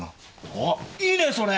あっいいねそれ！